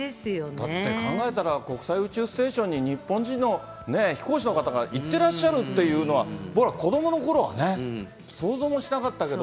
だって考えたら国際宇宙ステーションに、日本人の飛行士の方が行ってらっしゃるっていうのは、僕ら子どものころはね、想像もしなかったけど。